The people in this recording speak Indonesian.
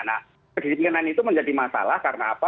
nah kedisiplinan itu menjadi masalah karena apa